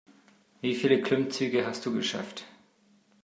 Wie viele Klimmzüge hast du geschafft?